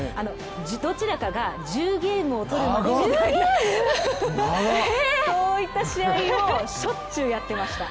どちらかが１０ゲームを取るまで、そういった試合をしょっちゅうやっていました。